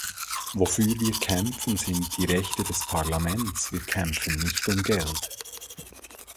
Wofür wir kämpfen, sind die Rechte des Parlaments, wir kämpfen nicht um Geld.